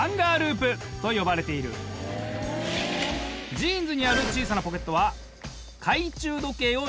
ジーンズにある小さなポケットは。